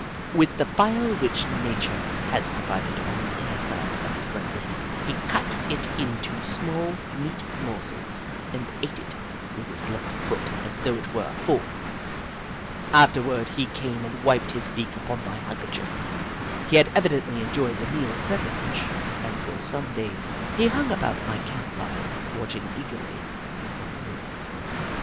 With the file which Nature has provided on the inner side of his right leg, he cut it into small, neat morsels and ate it with his left foot as though it were a fork. Afterward he came 2o8 The Book of Clever Beasts and wiped his beak upon my handkerchief. He had evidently enjoyed the meal very much and for some days he hung about my camp fire, watching eagerly for more.